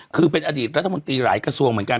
คือเป็นอดีตรัฐมนตรีหลายกระทรวงเหมือนกัน